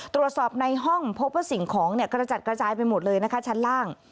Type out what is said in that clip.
ตรวจสอบในห้องพบว่าสิ่งของเนี่ยกระจัดกระจายไปหมดเลยนะคะชั้นล่าง